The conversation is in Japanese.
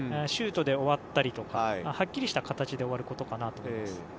シュートで終わったりとかはっきりした形で終わること。